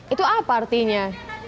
itu apa artinya